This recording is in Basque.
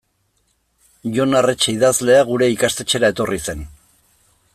Jon Arretxe idazlea gure ikastetxera etorri zen.